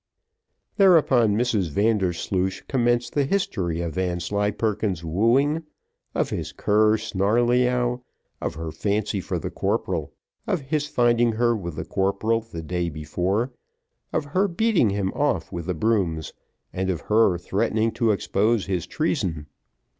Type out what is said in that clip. Thereupon Mrs Vandersloosh commenced the history of Vanslyperken's wooing, of his cur Snarleyyow, of her fancy for the corporal, of his finding her with the corporal the day before, of her beating him off with the brooms, and of her threats to expose his treason.